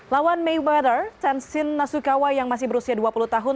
lawan mayweather tensin nasukawa yang masih berusia dua puluh tahun